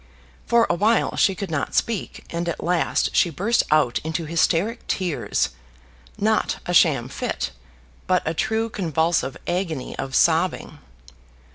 For a while she could not speak, and at last she burst out into hysteric tears, not a sham fit, but a true convulsive agony of sobbing.